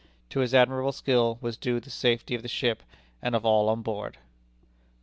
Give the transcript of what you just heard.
To this admirable skill was due the safety of the ship, and of all on board.